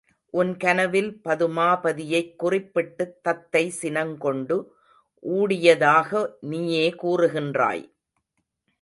உன் கனவில் பதுமாபதியைக் குறிப்பிட்டுத் தத்தை சினங்கொண்டு ஊடியதாக நீயே கூறுகின்றாய்!